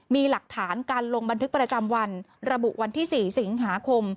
มีหลักฐานการลงบันทึกประจำวันระบุวันที่๔สิงหาคม